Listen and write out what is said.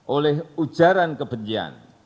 oleh ujaran kebencian